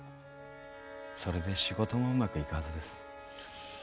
それで仕事もうまくいくはずです。